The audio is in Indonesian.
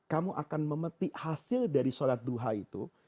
kamu akan memetik hasil dari sholat duha itu